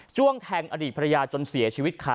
้วงแทงอดีตภรรยาจนเสียชีวิตค่ะ